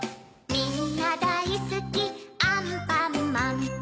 みんなだいすきアンパンマンと